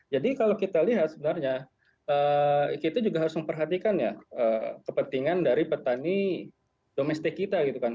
jadi kalau kita lihat sebenarnya kita juga harus memperhatikan ya kepentingan dari petani domestik kita gitu kan